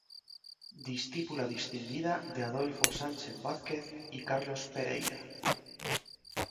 Discípula distinguida de Adolfo Sánchez Vázquez y Carlos Pereyra.